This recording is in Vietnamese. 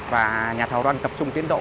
và nhà thầu đang tập trung tiến độ